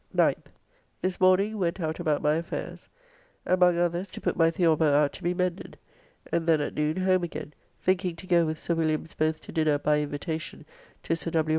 9th. This morning went out about my affairs, among others to put my Theorbo out to be mended, and then at noon home again, thinking to go with Sir Williams both to dinner by invitation to Sir W.